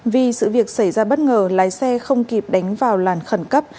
vì sự việc xảy ra bất ngờ lái xe không kịp đánh vào làn khẩn cấp